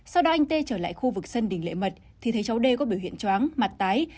sau đó anh t trở lại khu vực sân đình lệ mật thì thấy cháu d có biểu hiện chóng mặt tái